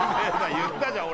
言ったじゃん俺。